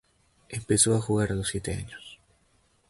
Empezó a jugar a los siete años.